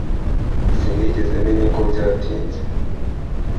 Sinigeze menya ko byatinze